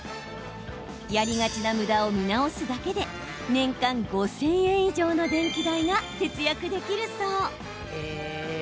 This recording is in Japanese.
やりがちなむだを見直すだけで年間５０００円以上の電気代が節約できるそう。